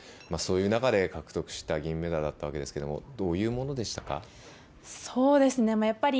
そういう中で獲得した銀メダルだったわけですけどどういうものでしたか。